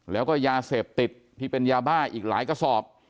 แล้วก็ยาเสพติดที่เป็นยาบ้าอีกหลายกระสอบ